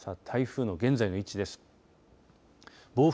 台風の現在の位置です。